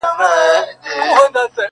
تا ته د جلاد له سره خنجره زندان څه ویل-